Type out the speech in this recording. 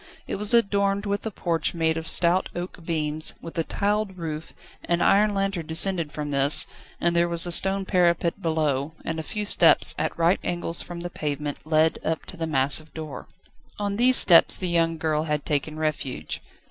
It was adorned with a porch made of stout oak beams, with a tiled roof; an iron lantern descended from this, and there was a stone parapet below, and a few steps, at right angles from the pavement, led up to the massive door. On these steps the young girl had taken refuge.